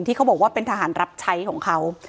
เขาบอกว่าเป็นทหารรับใช้ของเขา